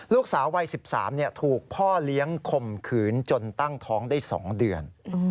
ลูกสาววัย๑๓ถูกพ่อเลี้ยงข่มขืนจนตั้งท้องได้๒เดือน